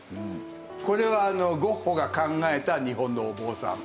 これはゴッホが考えた日本のお坊さん。